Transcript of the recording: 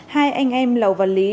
hai anh em lầu và lý